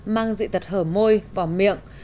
mang dị tật hở môi vào miệng